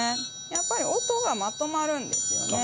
やっぱり音がまとまるんですよね。